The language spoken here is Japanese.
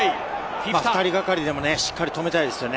２人がかりでも、しっかり止めたいですよね。